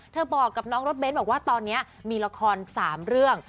บอกกับน้องรถเบ้นบอกว่าตอนนี้มีละคร๓เรื่อง